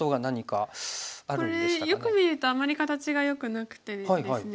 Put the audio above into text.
これよく見るとあまり形がよくなくてですね。